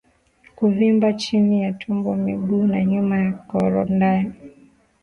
Kuvimba chini ya tumbo miguu ya nyuma na korodani